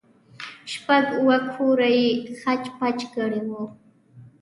شپږ اوه كوره يې خچ پچ كړي وو.